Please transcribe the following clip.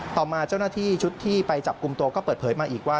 ต่อมาเจ้าหน้าที่ชุดที่ไปจับกลุ่มตัวก็เปิดเผยมาอีกว่า